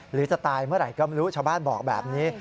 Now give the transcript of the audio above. หรือจะตายเมื่อไหร่ก็ไม่รู้ชาวบ้านบอกแบบนี้